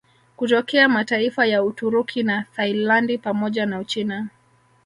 Kutokea mataifa ya Uturuki na Thailandi pamoja na Uchina